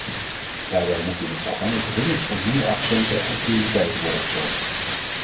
Daarbij moet in het programma dringend voor nieuwe accenten en prioriteiten worden gezorgd.